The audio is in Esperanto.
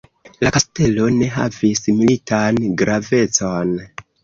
La kastelo ne havis militan gravecon.